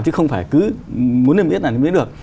chứ không phải cứ muốn nên biết là mới biết được